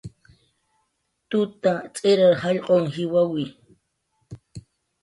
Tuta tz'irar jallq'un jiwawi